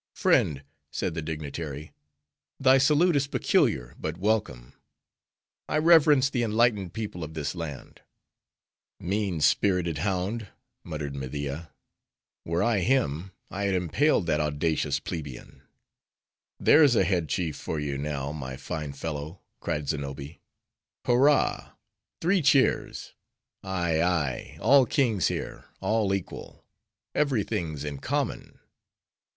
"Friend," said the dignitary, "thy salute is peculiar, but welcome. I reverence the enlightened people of this land." "Mean spirited hound!" muttered Media, "were I him, I had impaled that audacious plebeian." "There's a Head Chief for you, now, my fine fellow!" cried Znobbi. "Hurrah! Three cheers! Ay, ay! All kings here—all equal. Every thing's in common."